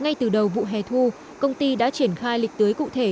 ngay từ đầu vụ hè thu công ty đã triển khai lịch tưới cụ thể